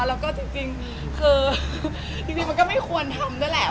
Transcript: แล้วก็จริงคือจริงมันก็ไม่ควรทำด้วยแหละ